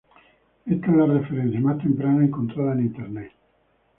Esta es la referencia más temprana encontrada en internet.